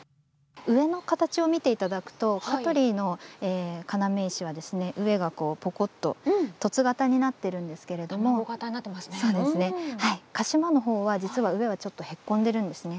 上の形を見ていただくと香取の要石は上がぽこっと凸型になってるんですけれども鹿島の方は実は裏がちょっとへこんでいるんですね。